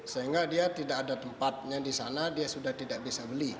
sehingga dia tidak ada tempatnya di sana dia sudah tidak bisa beli